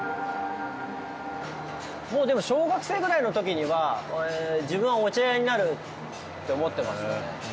もうでも小学生ぐらいの時には自分はお茶屋になるって思ってましたね。